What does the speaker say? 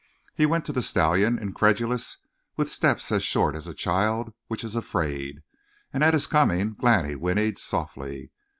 He went to the stallion, incredulous, with steps as short as a child which is afraid, and at his coming Glani whinnied softly.